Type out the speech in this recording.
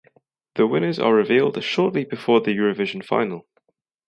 The winners are revealed shortly before the Eurovision final.